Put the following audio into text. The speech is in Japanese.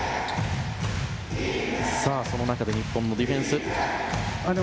その中で日本のディフェンスです。